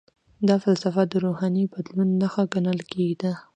دا فلسفه د روحاني بدلون نښه ګڼل کیده.